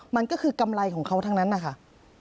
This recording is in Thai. มันก็คือกำไรของเขาทั้งนั้นนะคะ